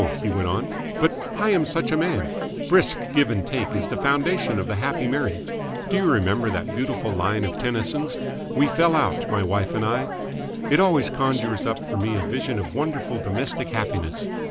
he went on. "But I am such a man. Brisk give and take is the foundation of the happy marriage. Do you remember that beautiful line of Tennyson's 'We fell out, my wife and I'? It always conjures up for me a vision of wonderful domestic happiness.